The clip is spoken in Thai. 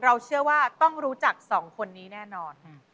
เชื่อว่าต้องรู้จักสองคนนี้แน่นอน